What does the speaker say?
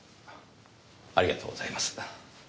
ありがとうございます。